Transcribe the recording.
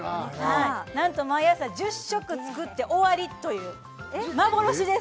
なんと毎朝１０食作って終わりという幻です